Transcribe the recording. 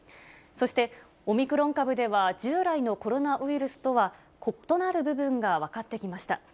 そして、オミクロン株では従来のコロナウイルスとは異なる部分が分かってきました。